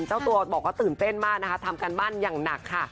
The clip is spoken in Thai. เจ้าตัวบอกว่าตื่นเต้นมากนะคะทำการบ้านอย่างหนักค่ะ